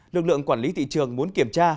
lực lượng quản lý thị trường muốn kiểm tra